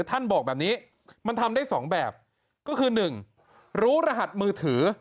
ท่านบอกแบบนี้มันทำได้สองแบบก็คือหนึ่งรู้รหัสมือถือ